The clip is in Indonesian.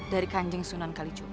dari kanjeng sunan kalijogo